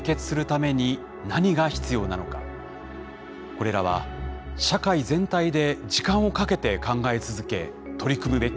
これらは社会全体で時間をかけて考え続け取り組むべき重い課題です。